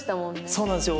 そうなんですよ。